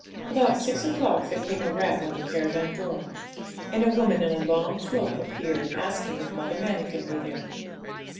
About six o'clock there came a rap on the caravan door, and a woman in a long cloak appeared, asking if Mother Manikin were there.